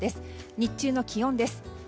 日中の気温です。